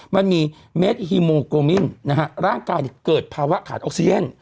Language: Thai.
มันมีเม็ดฮีโมโกมินนะฮะร่างกายเกิดภาวะขาดออกซิเจน